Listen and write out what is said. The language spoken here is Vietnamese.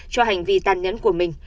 cho hành vi tàn nhẫn của mình